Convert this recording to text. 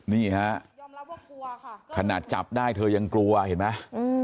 นี่ฮะขนาดจับได้เธอยังกลัวเห็นไหม